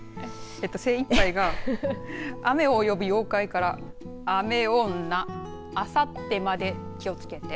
精いっぱいが雨を呼ぶ妖怪から雨女あさってまで気をつけて。